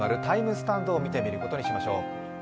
スタンドを見てみることにしましょう。